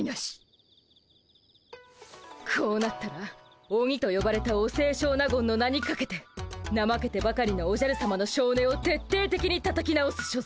こうなったらオニとよばれたお清少納言の名にかけてなまけてばかりのおじゃるさまのしょうねをてっていてきにたたき直す所存。